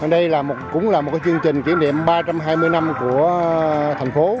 đây cũng là một chương trình kỷ niệm ba trăm hai mươi năm của thành phố